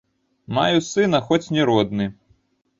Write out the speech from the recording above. Маю сына, хоць не родны.